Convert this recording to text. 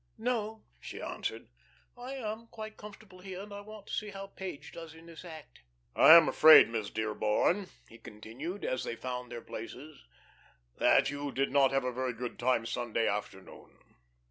"No," she answered. "I am quite comfortable here, and I want to see how Page does in this act." "I am afraid, Miss Dearborn," he continued, as they found their places, "that you did not have a very good time Sunday afternoon."